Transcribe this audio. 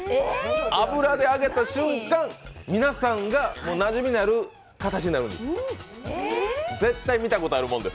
油で揚げた瞬間、皆さんがなじみのある形になるんです。